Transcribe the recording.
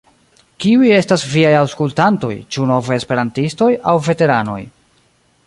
Kiuj estas viaj aŭkultantoj, ĉu novaj esperantistoj aŭ veteranoj?